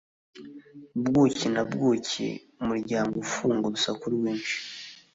Bukwi na bukwi, umuryango ufunga urusaku rwinshi.